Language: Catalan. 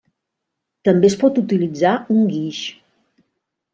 També es pot utilitzar un guix.